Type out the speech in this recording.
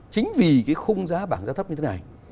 chính vì cái khung giá bảng giá thấp như thế này